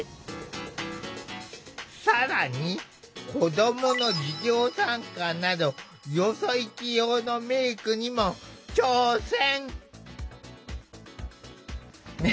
更に子どもの授業参観などよそ行き用のメークにも挑戦！